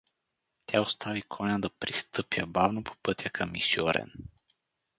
Тя остави коня да пристъпя бавно по пътя към Исьорен.